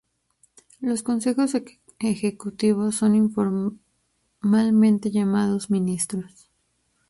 Los consejeros ejecutivos son informalmente llamados "ministros".